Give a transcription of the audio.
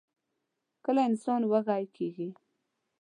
کله انسان وږۍ کيږي؟